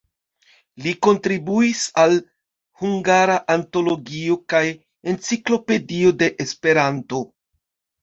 Li kontribuis al "Hungara Antologio" kaj "Enciklopedio de Esperanto".